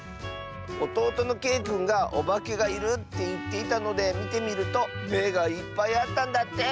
おとうとのけいくんがおばけがいるっていっていたのでみてみるとめがいっぱいあったんだって！